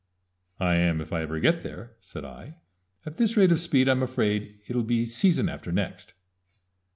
"I am if I ever get there," said I. "At this rate of speed I'm afraid it'll be season after next."